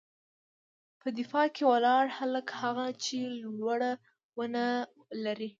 _په دفاع کې ولاړ هلک، هغه چې لوړه ونه لري.